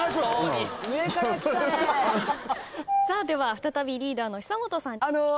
では再びリーダーの久本さん。